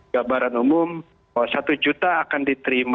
gambaran umum satu juta akan diterima